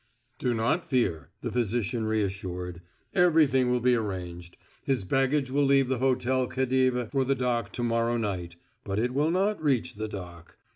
"Do not fear," the physician reassured. "Everything will be arranged. His baggage will leave the Hotel Khedive for the dock to morrow night; but it will not reach the dock.